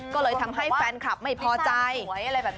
ก็เลยทำให้แฟนคลับไม่พอใจหวยอะไรแบบนี้